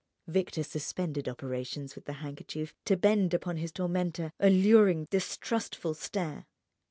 Victor suspended operations with the handkerchief to bend upon his tormentor a louring, distrustful stare.